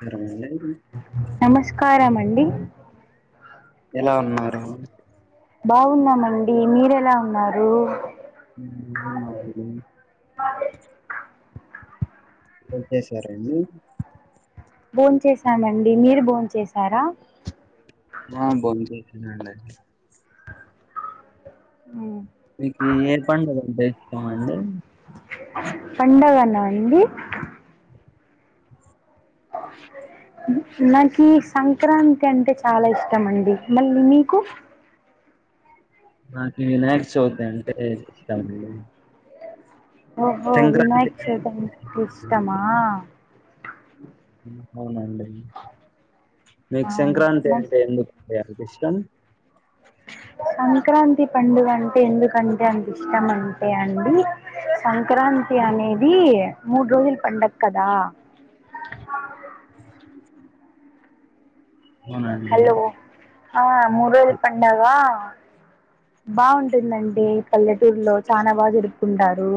సరేండి నమస్కారం అం అండి ఎలా ఉన్నారు బాగున్నామండి మీరెలా ఉన్నారు [inaudible] [unintelligible] బోన్చేసారండి భోన్ చేసానండి మీరు భోన్ చేసారా మా బోన్చేశానండి ఉం మీకు ఏ పండుగ ఉంటే ఇష్టమ అండి పండగనా అండి నాకి సంక్రాంతి అంటే చాలా ఇష్టం అండి మళ్ళీ మీకు నాకి వినాయక చవితి అంటే ఇష్టం అండి ఓహో సంక్రాంతి వినాయక్ చొవితి అంటే ఇష్టమా అంటే- అవునండి మీకు అవును సంక్రాంతి నాకు అంటే ఎందుకు ఎంత ఇష్టం సంక్రాంతి పండుగ అంటే ఎందుకంటే అంత ఇష్టం అంటే అండి సంక్రాంతి అనేది మూడు రోజుల పండుగ కదా [inaudible] అవునండి హలో ఆ మూడు రోజుల పండగా బాగుంటుందండి పల్లెటూరులో చనా బాగా జరుపుకుంటారు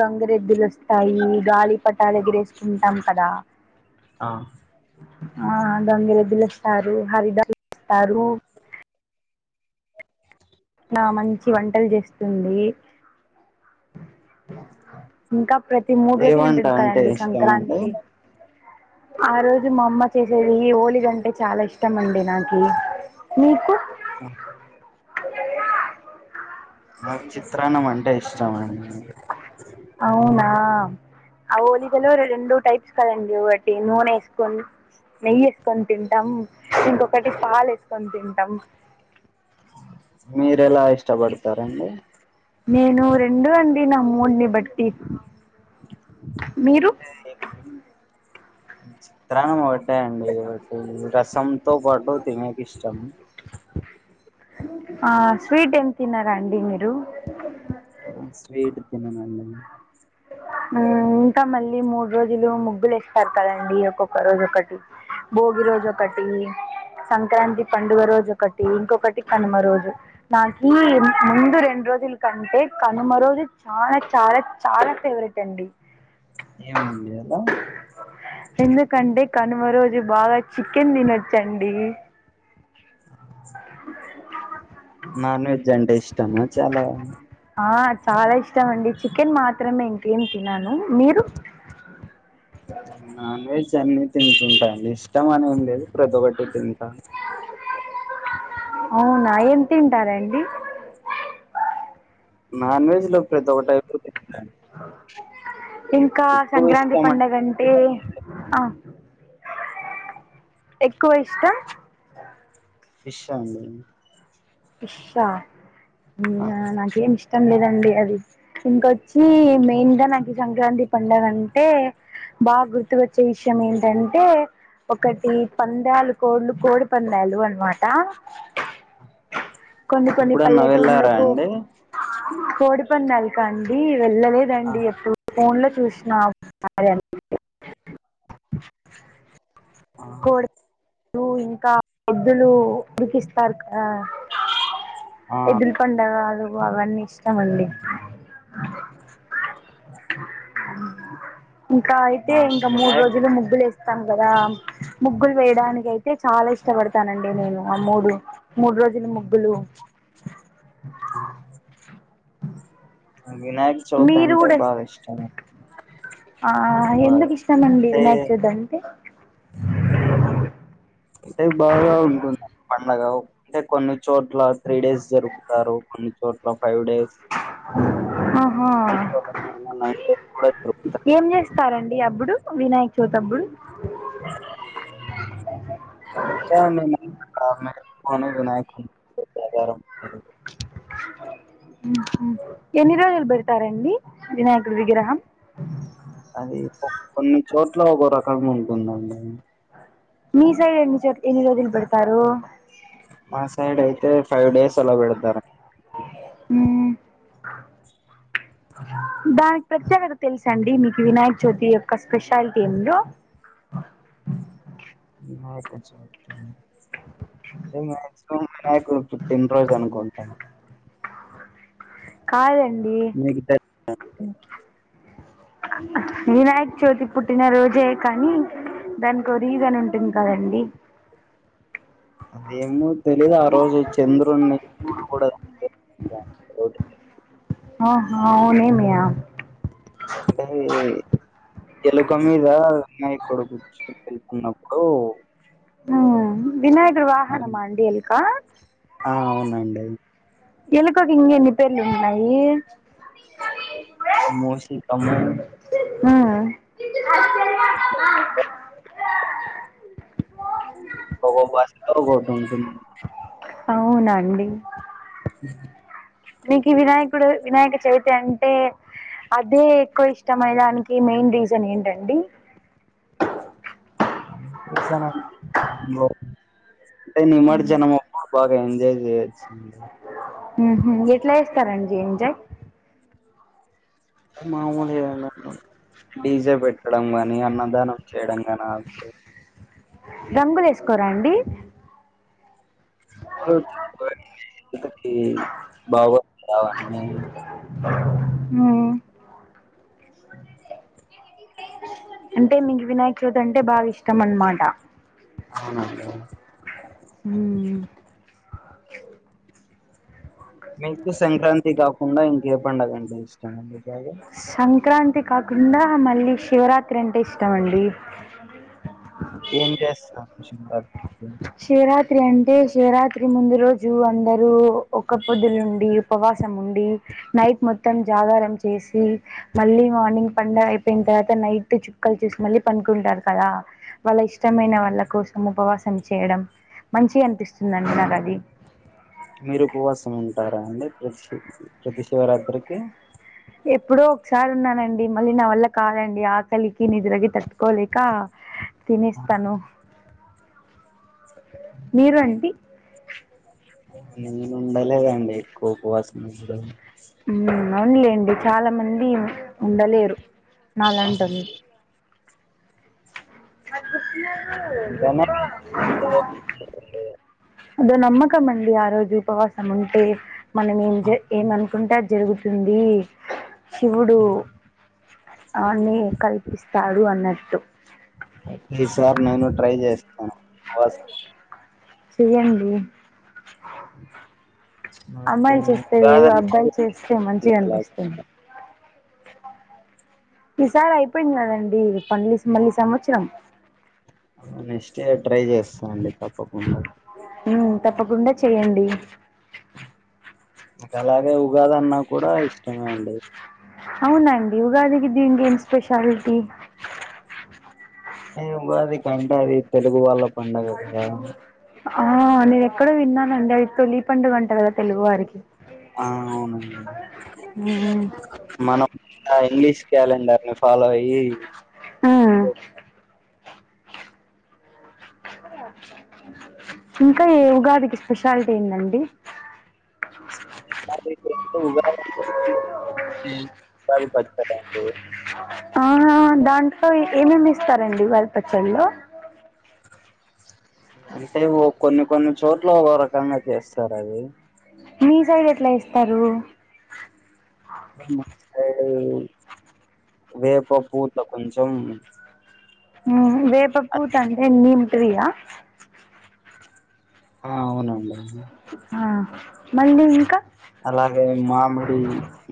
గంగరెద్దులోస్ స్తాయి గాలి పటాలు ఎగరేసుకుంటాం కదా ఆ ఆ స్తారు హారిదాసు వస్తారు ఆ మంచి వంటలు చేస్తుంది ఇంకా ప్రతి మూడు ఏ రోజులు వంట ఉంటుంది అంటే కదండి ఇష్టం అండి సంక్రాంతి ఆ రోజు మా అమ్మ చేసేది ఈ ఓలిగంటే చాలా ఇష్టం అండి నాకు నీకు అ ఆ మాకి చిత్రాన్నం అంటే ఇష్టం అండి అవునా ఆ ఓలిగలో రెండు టైప్స్ కదండి ఒకటి నూనె వేసుకొని నెయ్యి వేసుకొని తింటాం ఇంకొకటి పాలు వేసుకొని తింటాం మీరెలా ఇష్టపడతారండి నేను రెండు అండి నా మూడ్ ని బట్టి మీరు చిత్రాన్నం ఒకటే అండి రసంతో పాటు తినేక ఇష్టం ఆ స్వీట్ ఏం తినరా అండి మీరు ఎందుకు తినరు అండి ఉమ్ ఇంకా మళ్ళీ మూడు రోజులు ముగ్గులు వేస్తారు కదండి ఒకొక్క రోజు ఒకటి బోగి రోజు ఒకటి సంక్రాంతి పండుగ రోజు ఒకటి ఇంకొకటి కనుమ రోజు నాకి ముందు రెండు రోజుల కంటే కనుమ రోజు చాలా చాలా చాలా ఫేవరెట్ అండి ఏమండి అలా ఎందుకంటే కనుమ రోజు బాగా చికెన్ తినొచ్చండి నాన్ వెజ్ అంటే ఇష్ట మా చాలా ఆ చాలా ఇష్టం అండి చికెన్ మాత్రమే ఇంకేం తినను మీరు ఉమ్ నాన్ వెజ్ అన్నీ తింటుంటా అండి ఇష్టం అని ఏం లేదు [unintelligible] అవునా ఏం తింటారండి నాన్ వెజ్ లో ప్రిత ఒకటె అ ఇంకా ఎక్కువ సంక్రాంతి ఇష్టం పండగ అంటే ఆ ఎక్కువ ఇష్టం ఫిష్ ఆ అండి ఫిష్ ఆ ఆ, నాకేం ఇష్ట ష్టం లేదండి అది ఇంకొచ్చి మెయిన్గా నాకు సంక్రాంతి పండగ అంటే బాగా గుర్తుకొచ్చే విషయం ఏంటంటే ఒకటి పందాలు కోడ్లు కోడి పందాలు అనమాట కొన్ని కొన్ని ఎప్పుడన్నా వెళ్ళారా పల్లెటూళ్ళకు అండి కోడిపందాలుకా అండి ఆ వెళ్ళలేదండి అప్పుడు ఫోన్లో [inaudible] ఆ లు ఇంకా [inaudible] ఉడికిస్తారు కదా ఆ, ఎదిల్కండారాలు అవన్నీ ఇష్టమండి. ఇంకా అయితే నాకు ఇంకా మూడు వినాయక్ రోజులు ముగ్గులు వేస్ తం గదా ముగ్గులు వేయడానికి అయితే చాలా ఇష్టపడతానండి నేను. ఆ మూడు మూడు రోజులు ముగ్గులు ఆ వినాయక చవితి మీరు అంటే కూడా బాగా ఇష్టం. ఆ ఎందుకు బాగా ఇష్టమండి అంటే వినాయక చవితి అంటే అయితే బాగా ఉంటుంది పండగ అంటే కొన్ని చోట్ల త్రీ డేస్ జరుపుతారు కొన్ చోట్ల ఫైవ్ డేస్ హా నైన్ డేస్ కూడా జరుపుతారు ఏం చేస్తారండి అప్పుడు? వినాయక్ చౌతప్పుడు [unintelligible] తర్వాత మీరు అవును వినాయకు [unintelligible] ప్రకారం మీది ఊహ్మ్ ఎన్ని రోజులు పెడ్తారండి వినాయకుడు విగ్రహం? అది ఒక్ కొన్ని చోట్ల ఒక్కో రకంగా ఉంటుందండి మీ సైడ్ ఎన్నిచోట్ ఎన్ని రోజులు పెడతారు మా సైడ్ అయితే ఫైవ్ డేస్ అలా పెడతారు హ్మ్ దానికి ప్రత్యేకత తెలుసా అండి మీకి వినాయక చవితి యొక్క స్పెషాలిటీ ఏందో వినాయకచవితి అంటే మాక్సిమం వినాయకుడి పుట్టినరోజు అనుకుంటా కాదం మీకు బె [inaudible] వినాయక చవితి పుట్టిన రోజే కానీ దానికో రీజన్ ఉంటుంది కదండి అవే ఏమో తెలీదు ఆ రోజు చంద్రుణ్ణి చడకూడద్ [unintelligible] [unintelligible] ఆహా ఔనేమి ఆ నరి ఎలుక మీద వినాయకుడు గుర్చని వెళ్ళతున్నప్పుడు ఆ వినాయకుడి వాహనమ అండీ ఎలుక ఆ అవునండి ఎలుక ఏంది ఇన్ని పేర్లు ఉన్నాయి మూసికము అ ఒక బట అవునండి ఇ నీకు వినాయకుడు వినాయక చవితి అంటే అదే ఎక్కువ ఇష్టం అనే దానికి మెయిన్ రీజన్ ఏంటండి అంటే నిమ్మడి జనం బాగా ఎంజాయ్ చేయొచ్చుండి ఊహు అది ఎట్లా ఇస్తారండి [unintelligible] మామూలు డీజే పెట్టడం గానీ అన్నదానం చేయడం ఎనా రంగులు వేసుకోరా అండి బాగా మ్ [inaudible] అంటే మీకు వినాయక చవితి అంటే బాగా ఇష్టం అనమాట అవునండి మ్ మీకు సంక్రాంతి గా కాకుండా ఇంకే పండగ అంటే ఇష్టం అండి బాగా సంక్రాంతి కాకుండా మళ్ళీ శివరాత్రి అంటే ఇష్టమ అండి ఏం చేస్తష శేరా రాత్రి అంటే శివరాత్రి ముందు రోజు అందరూ ఒక పొద్దులుండి ఉపవాసం ఉండి నైట్ మొత్తం జాగారం చేసి మళ్ళీ మార్నింగ్ పడుగ అయిపోయిన తర్వాత నైట్ చుక్కలు చూసి మళ్ళీ పంకుంటారు కదా వాళ్ళ ఇష్టమైన వాళ్ళ కోసం ఉపవాసం చేయడం మంచి అనిపిస్తుందండి నాకు అది మీరు ఉపవాసం ఉంటారా అండి ప్ర ప్రతి శివరాత్రికి ఎప్పుడో ఒకసారి ఉన్నానండి మళ్ళీ నా వల్ల కాదండి ఆకలికి నిద్రకి తట్టుకోలేక తినేస్తాను మీరు అండి అ ఉండలేదండి ఎక్కువ కోపువాసన అవునులేండి చాలా మంది ఉండలేరు నాలంటి వాళ్ళు [inaudible] [inaudible] ఇలానే ఏదో ఒకటి నమ్మకం మండి ఆ రోజు ఉపవాసము ఉంటే మనం ఏం జ ఏమనుకుంటే ఆది జరుగుతుంది శివుడు ఆన్ని కల్పిస్తాడు అన్నట్టు ఈ సారి నేను ట్రై చేస్త ఉపవాసం చేయండి నాకు అమ్మాయిలు చేస్తే వేరు ఉగాది అబ్బాయిలు చేస్తే మంచిగా అలా అనిపిస్తుంది ఈసారి అయిపోయింది కదండి ప మళ్ళీ సంవత్సరం నెక్స్ట్ ఇయర్ ట్రై చేస్తానండి తప్పకుండా మ్మ్ తప్పకుండా చేయండి ఇక అలాగే ఉగాది అన్నా కూడా ఇష్టమే అండి అవున అండి ఉగాదికి దీనికి ఏం స్పెషాలిటీ అ అది కంటే అది తెలుగు వాళ్ళ పండుగ కదా ఆ నేను ఎక్కడో విన్నానండి అవి తొలి పండుగంట తెలుగు వారికి ఆ అవునండి ఆ ఇంగ్లీష్ క్యాలెండర్ ని ఫాలో అయ్యి ఆ ఇంకా ఏ ఉగాదికి స్పెషాలిటీ ఏందండి ఉగాది పచ్చడి అండి ఆ దాంట్లో ఏమేమీ వేస్తారండి ఉగాది పచ్చడిలో అంటే ఓ కొన్ని కొన్ని చోట్ల ఒక రకంగా చేస్తారు అది మీ సైడ్ ఎట్లా వేస్తారు మ వేప పూత కొంచం మ్మ్ వేప పూత అంటే నిమ్ ప్రియ ఆ అవునండి ఆ మళ్ళీ ఇంకా అలాగే మామిడి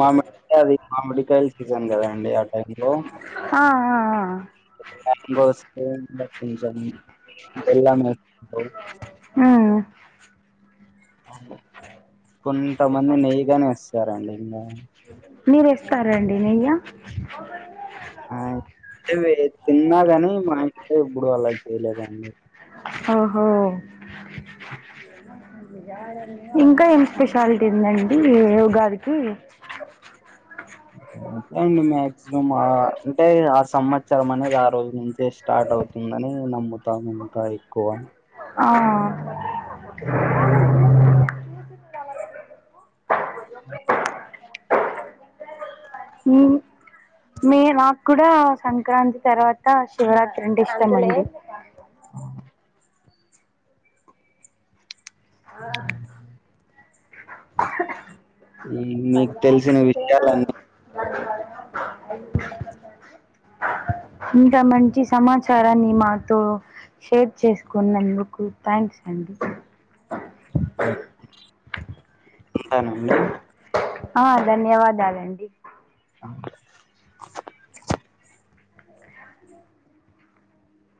మామిడి అది మిడికాయల సీజన్ కదాండి ఆ టైం లో ఆ ఆ ఆ గోస్త [unintelligible] బెల్లము ఏస్కో ఆ మ్మ్ అవు కొంతమంది నెయ్యిగాని ఏస్ సరండి ఇంగా మీరు ఏస్తార అండి నెయ్య ఆంటే తిన్నా గాని మా ఇంట్లో ఎబ్బుడు అలా చేయలేదండి ఓహో ఆ ఇంకా ఏం స్పెషాలిటీ ఉందండి ఉగాదికి అంతే అండి మక్సిమం అంటే ఆ సంవత్సరం అనేది ఆ రోజు నుంచే స్టార్ట్ అవుతుందని నమ్ముతాం ఇంకా ఎక్కువ ఆ ఈ మీ నాక్కూడా సంక్రాంతి తర్వాత శివరాత్రి అంటే ఇష్టం అండి ఆ ఆ ఉమ్, మీకు పంజాబ్ తెలిసిన సేవల విషయాలన్నీ నంచి ఇంత మంచి సమాచారాన్ని మాతో షేర్ చేసుకున్నందుకు థ్యాంక్స్ అండి నడి ఆ ధన్యవాదాలండి అ